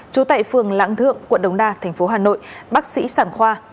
trú tại phường lãng thượng quận đồng đa tp hà nội bác sĩ sản khoa